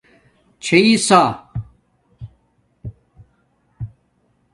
ݼئ سّا